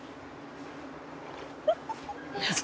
「フフフフ！」